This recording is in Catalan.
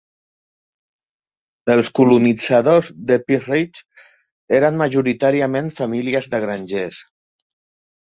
Els colonitzadors de Pea Ridge eren majoritàriament famílies de grangers.